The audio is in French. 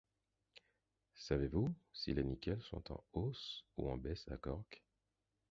Savez-vous si les nickels sont en hausse ou en baisse à Cork?...